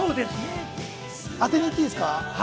当てにいっていいですか？